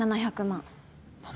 ７００万！？